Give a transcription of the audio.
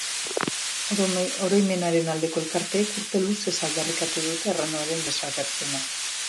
Oroimenaren aldeko elkarteek, urte luzez aldarrikatu dute arranoaren desagerpena.